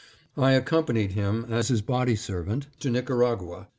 I accompanied him as his body servant to Nicaragua.